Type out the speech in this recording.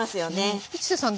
市瀬さん